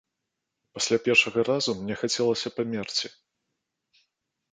Пасля першага разу мне хацелася памерці.